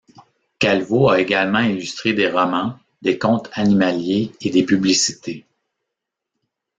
Calvo a également illustré des romans, des contes animaliers et des publicités.